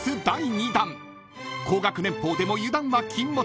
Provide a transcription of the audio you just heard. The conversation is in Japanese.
［高額年俸でも油断は禁物］